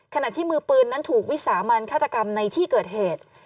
ขณะที่มือปืนนั้นถูกวิสามันฆาตกรรมในที่เกิดเหตุ